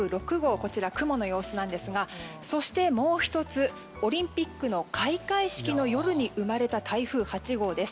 こちら雲の様子ですがそしてもう１つオリンピックの開会式の夜に生まれた台風８号です。